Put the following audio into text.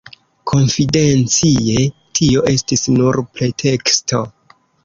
Konfidencie, tio estis nur preteksto.